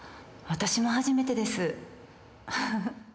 私も初めてですふふふ